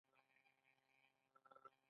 د دې پوښتنې ځواب د بوټ جوړونکي کار دی